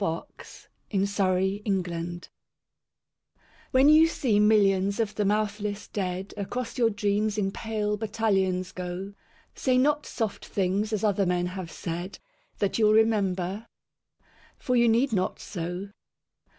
XCI The Army of Death WHEN you see millions of the mouthless dead Across your dreams in pale battalions go, Say not soft things as other men have said, That you'll remember. For you need not so.